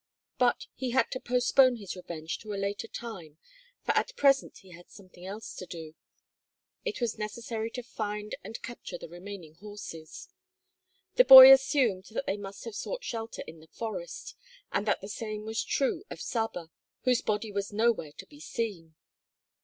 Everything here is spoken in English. But he had to postpone his revenge to a later time for at present he had something else to do. It was necessary to find and capture the remaining horses. The boy assumed that they must have sought shelter in the forest, and that the same was true of Saba, whose body was nowhere to be seen.